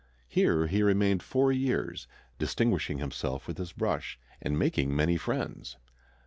Here he remained four years, distinguishing himself with his brush and making many friends.